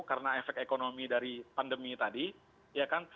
karena efek ekonomi dari pandemi tadi ya kan